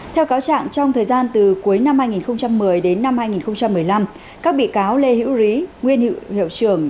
theo cáo trạng trong thời gian từ cuối năm hai nghìn một mươi đến năm hai nghìn một mươi năm các bị cáo lê hữu rí nguyên hữu hiệu trưởng